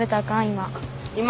今。